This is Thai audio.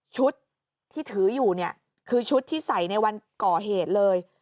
ชุดที่ถืออยู่เนี่ยคือชุดที่ใส่ในวันก่อเหตุเลย